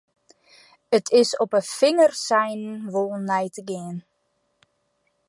It is op 'e fingerseinen wol nei te gean.